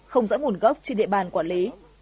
không dõi nguồn gốc trên địa bàn quản lý